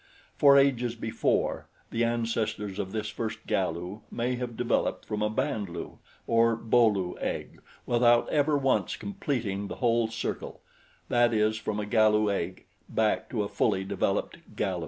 For ages before, the ancestors of this first Galu may have developed from a Band lu or Bo lu egg without ever once completing the whole circle that is from a Galu egg, back to a fully developed Galu.